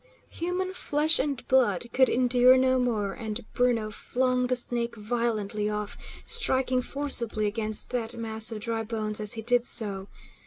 Human flesh and blood could endure no more, and Bruno flung the snake violently off, striking forcibly against that mass of dry bones as he did so.